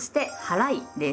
はい。